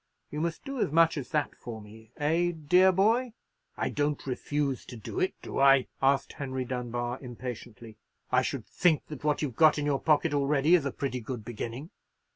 You must do as much as that for me; eh, dear boy?" "I don't refuse to do it, do I?" asked Henry Dunbar, impatiently; "I should think what you've got in your pocket already is a pretty good beginning."